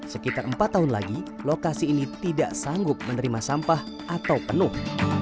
sekitar empat tahun lagi lokasi ini tidak sanggup menerima sampah atau penuh